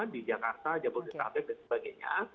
di jakarta jabodetabek dan sebagainya